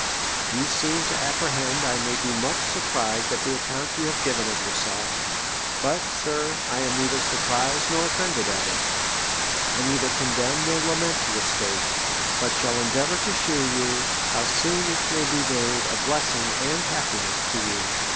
You seem to apprehend 1 may be much surprised at the account you have given of yourself But, Sir, I am neither surprised nor oii'ended at it. I neither condemn nor lament your state; but shall endeavour to shew you, how soon it may be made a blessing and happiness to you.